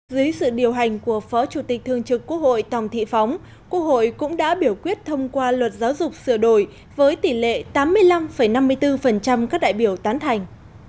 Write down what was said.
dưới sự điều hành của phó chủ tịch thương trực quốc hội tòng thị phóng quốc hội cũng đã biểu quyết thông qua luật giáo dục sửa đổi với tỷ lệ tám mươi năm năm mươi bốn các đại biểu tán thành